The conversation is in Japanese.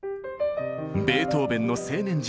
ベートーベンの青年時代。